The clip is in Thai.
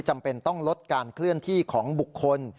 จำเป็นต้องลดการเคลื่อนที่ของบุคคล